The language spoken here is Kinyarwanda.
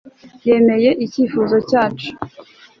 yemeye icyifuzo cyacu